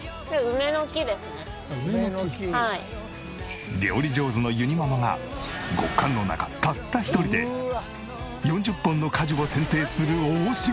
「梅の木」料理上手のゆにママが極寒の中たった一人で４０本の果樹を剪定する大仕事！